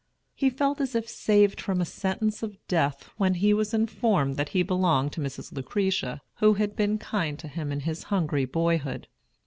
He felt as if saved from sentence of death, when he was informed that he belonged to Mrs. Lucretia, who had been kind to him in his hungry boyhood.